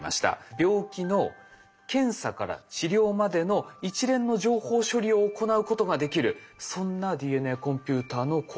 病気の検査から治療までの一連の情報処理を行うことができるそんなＤＮＡコンピューターの構想だったんです。